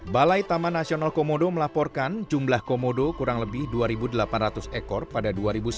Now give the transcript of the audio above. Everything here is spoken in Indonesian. balai taman nasional komodo melaporkan jumlah komodo kurang lebih dua delapan ratus ekor pada dua ribu sembilan belas